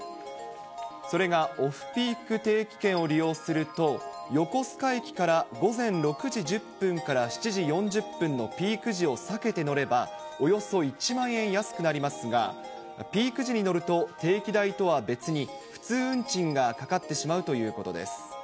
それがオフピーク定期券を利用すると、横須賀駅から午前６時１０分から７時４０分のピーク時を避けて乗れば、およそ１万円安くなりますが、ピーク時に乗ると、定期代とは別に、普通運賃がかかってしまうということです。